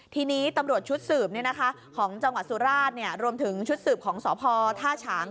ทีนี้ตำรวจชุดสืบของจังหวัดสุราชรวมถึงชุดสืบของสพท่าฉาง